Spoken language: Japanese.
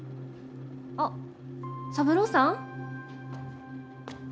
あっ三郎さん？